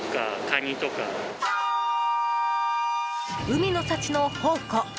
海の幸の宝庫